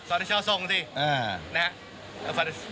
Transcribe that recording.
ศาลชาวส่งสิ